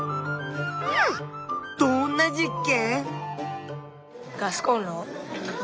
どんな実験？